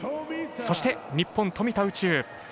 そして日本、富田宇宙。